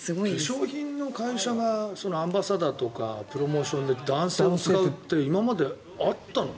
化粧品の会社がアンバサダーとかプロモーションで男性を使うって今まであったの？